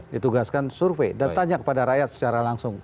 ditugaskan survei dan tanya kepada rakyat secara langsung